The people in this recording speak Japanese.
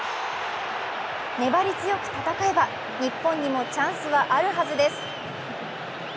粘り強く戦えば日本にもチャンスはあるはずです。